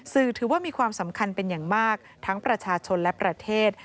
สื่อถือว่ามีความสำคัญเป็นอย่างมากทั้งประชาชนและประเทศ